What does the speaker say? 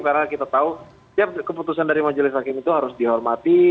karena kita tahu setiap keputusan dari majelis hakim itu harus dihormati